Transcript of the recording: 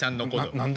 「何だ？